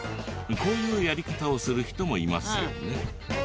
こういうやり方をする人もいますよね。